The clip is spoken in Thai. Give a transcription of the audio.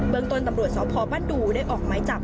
เมืองต้นตำรวจสพบ้านดูได้ออกไม้จับ